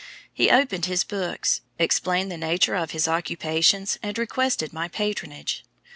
He opened his books, explained the nature of his occupations, and requested my patronage.